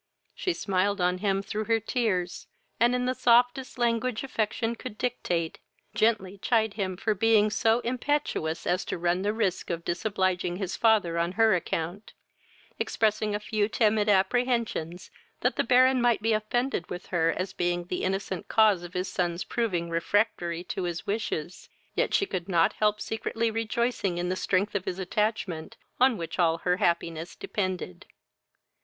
She smiled on him through her tears, and, in the softest language affection could dictate, gently chid him for being so impetuous as to run the risk of disobliging his father on her account, expressing a few timid apprehensions that the Baron might be offended with her as being the innocent cause of his son's proving refractory to his wishes; yet she could not help secretly rejoicing in the strength of his attachment, on which all her happiness depended.